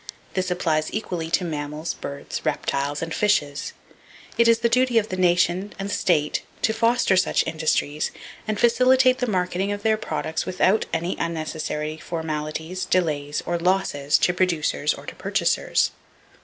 This applies equally to mammals, birds, reptiles and fishes. It is the duty of the nation and the state to foster such industries and facilitate the marketing of their products without any unnecessary formalities, delays or losses to producers or to purchasers.